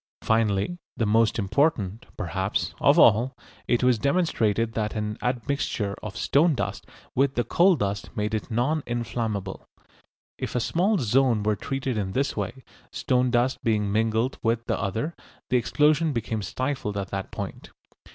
Finally, the most important, perhaps, of all, it was demonstrated that an admixture of stone dust with the coal dust made it non inflammable. If a small zone were treated in this way, stone dust being mingled with the other, the explosion became stifled at that point.